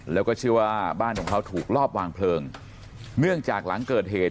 แล้วก็เชื่อว่าบ้านของเขาถูกรอบวางเพลิงเนื่องจากหลังเกิดเหตุ